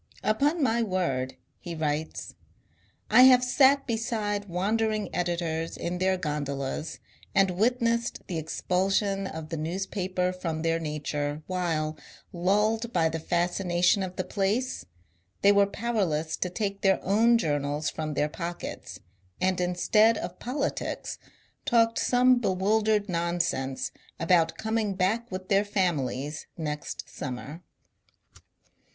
" Upon my word," he writes, *^ I have sat beside wandering editors in their ^n dolas and witnessed the expulsion of the newspaper from their nature, while, lulled by the fascination of the place, they were powerless to take their own journals from their pockets, and instead of politics talked some bewildered non sense about coming back with their families next summer."